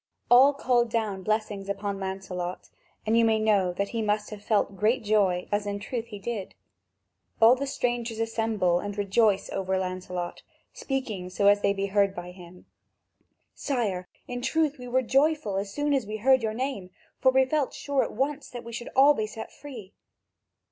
All called down blessings upon Lancelot: and you may know that he must have felt great joy, as in truth he did. All the strangers assemble and rejoice over Lancelot, speaking so as to be heard by him: "Sire, in truth we were joyful as soon as we heard your name, for we felt sure at once that we should all be set free."